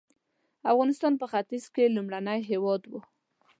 افغانستان په ختیځ کې لومړنی هېواد و.